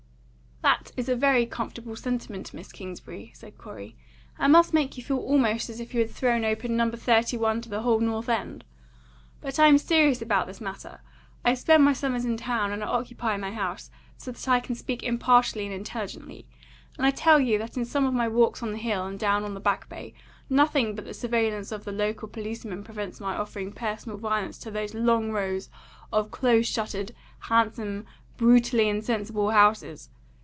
"That is a very comfortable sentiment, Miss Kingsbury," said Corey, "and must make you feel almost as if you had thrown open No. 31 to the whole North End. But I am serious about this matter. I spend my summers in town, and I occupy my own house, so that I can speak impartially and intelligently; and I tell you that in some of my walks on the Hill and down on the Back Bay, nothing but the surveillance of the local policeman prevents my offering personal violence to those long rows of close shuttered, handsome, brutally insensible houses.